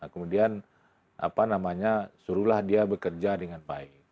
kemudian suruhlah dia bekerja dengan baik